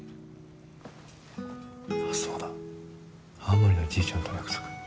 あっそうだ青森のじいちゃんとの約束。